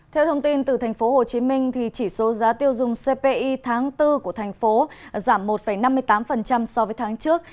theo thông tin từ tp hcm chỉ số giá tiêu dùng cpi tháng bốn của thành phố giảm một năm mươi tám so với tháng trước